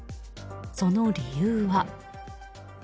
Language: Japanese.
その理由は。